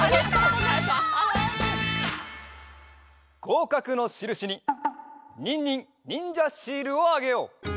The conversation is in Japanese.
ごうかくのしるしにニンニンにんじゃシールをあげよう。